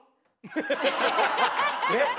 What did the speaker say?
えっ？